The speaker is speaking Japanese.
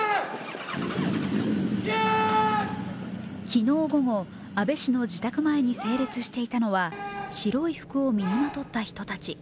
昨日午後、安倍氏の自宅前に整列していたのは白い服を身にまとった人たち。